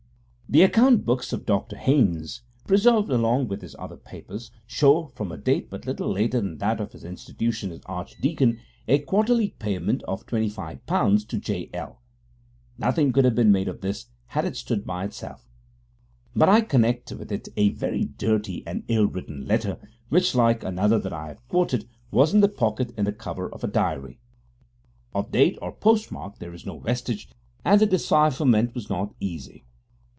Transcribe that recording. The account books of Dr Haynes, preserved along with his other papers, show, from a date but little later than that of his institution as archdeacon, a quarterly payment of £25 to J. L. Nothing could have been made of this, had it stood by itself. But I connect with it a very dirty and ill written letter, which, like another that I have quoted, was in a pocket in the cover of a diary. Of date or postmark there is no vestige, and the decipherment was not easy.